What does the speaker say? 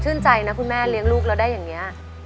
ชื่นใจนะคุณแม่เลี้ยงลูกแล้วได้อย่างนี้